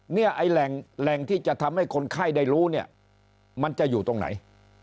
เนี่ยไอ้แหล่งที่จะทำให้คนไข้ได้รู้เนี่ยมันจะอยู่ตรงไหน